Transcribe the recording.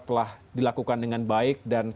telah dilakukan dengan baik dan